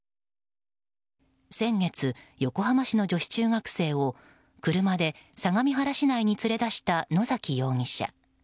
先月、横浜市の女子中学生を車で相模原市内に連れ出した野崎容疑者。